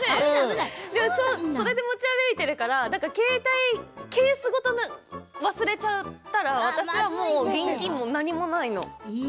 それで持ち歩いているから携帯ケースごと忘れちゃったら私はもう現金も何もないの。